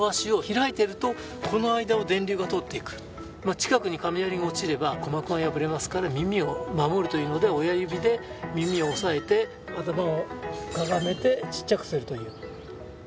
近くに雷が落ちれば鼓膜は破れますから耳を守るというので親指で耳を押さえて頭をかがめてちっちゃくするという。